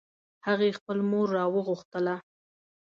هغې خپل مور راوغوښتله